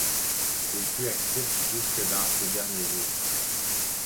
Il fut actif jusque dans ses derniers jours.